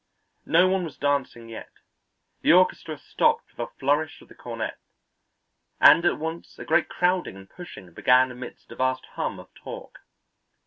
No one was dancing yet. The orchestra stopped with a flourish of the cornet, and at once a great crowding and pushing began amidst a vast hum of talk.